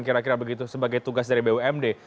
kira kira begitu sebagai tugas dari bumd